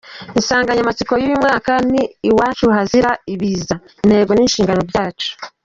Insanganyamatsiko y’uyu mwaka ni “Iwacu hazira ibiza, Intego n’Inshingano byacu.”